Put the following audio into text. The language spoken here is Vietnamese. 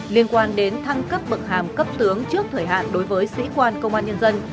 liên quan đến thăng cấp bậc hàm cấp tướng trước thời hạn đối với sĩ quan công an nhân dân